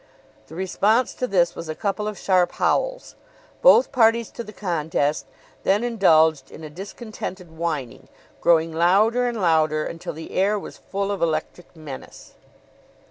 The response to this was a couple of sharp howls. Both parties to the contest then indulged in a discontented whining, growing louder and louder until the air was full of electric menace.